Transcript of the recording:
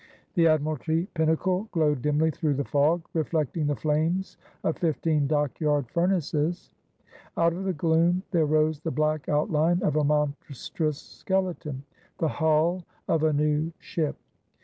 The Admiralty pinnacle glowed dimly through the fog, reflecting the flames of fifteen dockyard furnaces. Out of the gloom there rose the black outline of a monstrous skeleton; the hull of a new ship.